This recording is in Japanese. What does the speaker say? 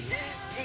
え。